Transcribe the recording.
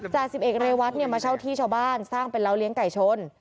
จ่าสิบเอกเรวัตมาเช่าที่ชาวบ้านสร้างเป็นเล้าเลี้ยงไก่ชน